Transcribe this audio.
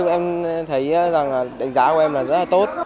em thấy rằng đánh giá của em là rất là tốt